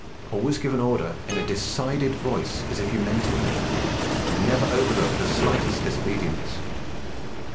Always give an order in a decided voice as if you meant it, and never overlook the slightest disobedience.